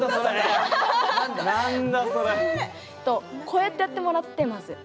こうやってやってもらってまず。